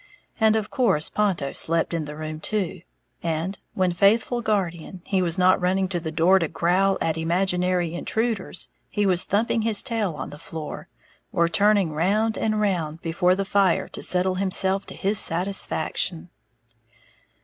And of course Ponto slept in the room, too, and when, faithful guardian, he was not running to the door to growl at imaginary intruders, he was thumping his tail on the floor, or turning round and round before the fire to settle himself to his satisfaction.